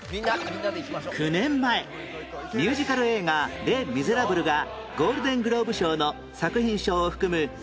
９年前ミュージカル映画『レ・ミゼラブル』がゴールデン・グローブ賞の作品賞を含む